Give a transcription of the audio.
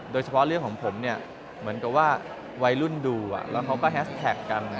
โดยเฉพาะเรื่องของผมเหมือนกับว่าวัยรุ่นดูแล้วเขาก็แฮสแท็กกัน